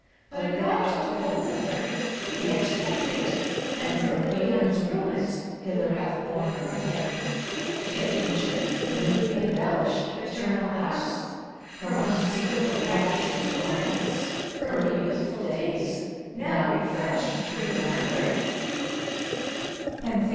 But a God took hold of her, The Expatriate, And from Ilion's ruins Hither hath borne her again. To the ancient, the newly embellished Paternal house. From unspeakable ACT III. 137 Raptures and torments, Early youthful days, Now refreshed, to remember.